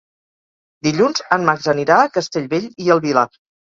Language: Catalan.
Dilluns en Max anirà a Castellbell i el Vilar.